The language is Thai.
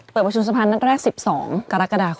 เปิดประชุมสะพานนัดแรก๑๒กรกฎาคม